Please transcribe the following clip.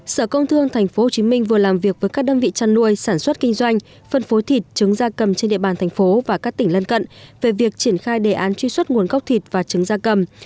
sở công thương tp hcm vừa làm việc với các đơn vị chăn nuôi sản xuất kinh doanh phân phối thịt trứng da cầm trên địa bàn thành phố và các tỉnh lân cận về việc triển khai đề án truy xuất nguồn gốc thịt và trứng da cầm